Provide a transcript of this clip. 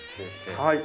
はい。